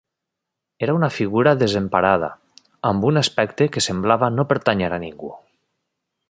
Era una figura desemparada, amb un aspecte que semblava no pertànyer a ningú.